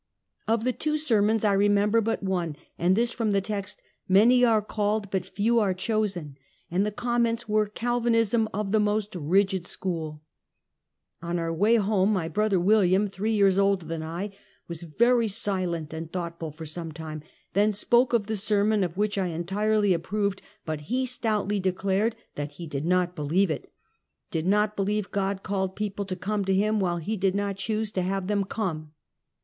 Of the two sermons I remember but one, and this from the text "Many are called but few are chosen," and the comments were Calvinism of the most rigid school. On our way home, my brother William — three years older than I — was very silent and thought ful for some time, then spoke of the sermon, of which I entirely approved, but he stoutly declared that he did not believe it; did not believe God called people to come to him while he did not choose to have them come.